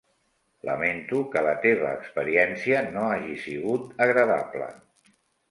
Lamento que la teva experiència no hagi sigut agradable.